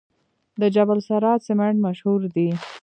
د جبل السراج سمنټ مشهور دي